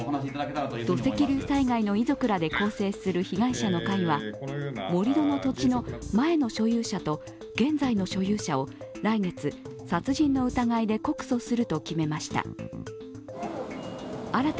土石流災害の遺族らで構成する被害者の会は盛り土の土地の前の所有者と現在の所有者を来月、殺人の疑いで告訴すると決めました。